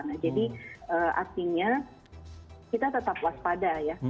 nah jadi artinya kita tetap waspada ya